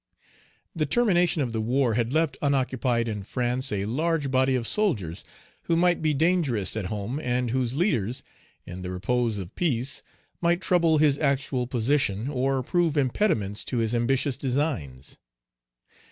The termination of the war had left unoccupied in France a large body of soldiers, who might be dangerous at home, and whose leaders, in the repose of peace, might trouble his actual position, or prove impediments to his ambitious designs.